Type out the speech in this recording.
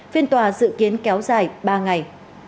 phiên tòa dự kiến kéo dài ba ngày